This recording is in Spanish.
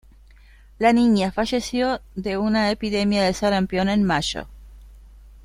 La niña falleció de una epidemia de sarampión en mayo.